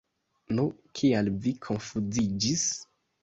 Nu, kial vi konfuziĝis?